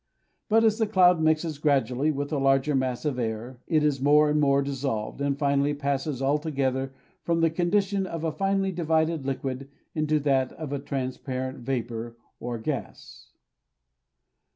But, as the cloud mixes gradually with a larger mass of air, it is more and more dissolved, and finally passes altogether from the condition of a finely divided liquid into that of transparent vapour or gas.